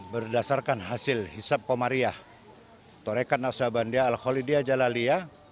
berdasarkan hasil hisap pemariah tarekat nasabandi al holidiyah jalaliyah